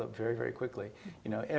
diperbaiki dengan cepat